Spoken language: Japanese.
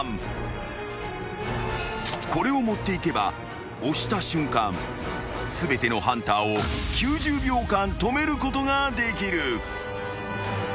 ［これを持っていけば押した瞬間全てのハンターを９０秒間止めることができる］